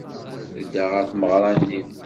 Tedda ɣer tmeɣra-nni.